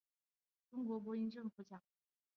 中国播音政府奖。